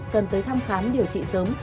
cần tới thăm khám điều trị sớm